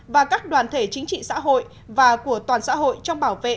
và các đoàn thể chính trị xã hội và của toàn xã hội trong bảo vệ